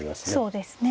そうですね。